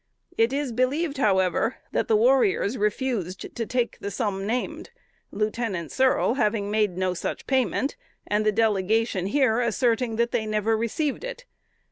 It is believed, however, that the warriors refused to take the sum named, Lieutenant Searle having made no such payment, and the delegation here asserting that they never received it.